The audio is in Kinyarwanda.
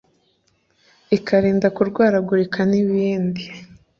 ikarinda kurwaragurika n’ibindi